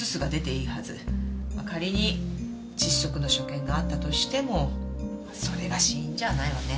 仮に窒息の所見があったとしてもそれが死因じゃないわね。